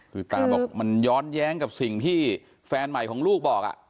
คือตาบอกมันย้อนแย้งกับสิ่งที่แฟนใหม่ของลูกบอก